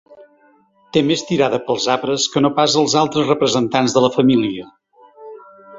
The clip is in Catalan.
Té més tirada pels arbres que no pas els altres representants de la família.